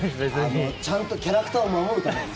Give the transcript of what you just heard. ちゃんとキャラクターを守るために。